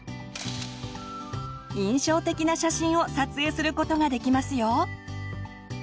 印象的な写真を撮影することができますよ！